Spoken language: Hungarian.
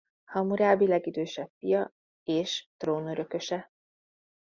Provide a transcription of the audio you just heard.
Hammurapi legidősebb fia és trónörököse.